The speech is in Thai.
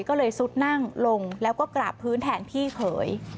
ก็เลยซุดนั่งลงแล้วก็กราบพื้นแทนพี่เขย